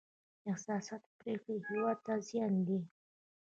احساساتي پرېکړې هېواد ته زیان دی.